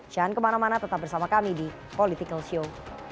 jangan kemana mana tetap bersama kami di politikalshow